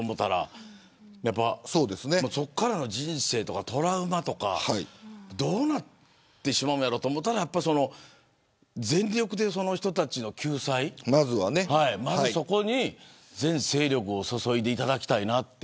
そこからの人生とかトラウマとかどうなってしまうんやろうと思ったら全力でその人たちの救済まずそこに全精力を注いでいただきたい。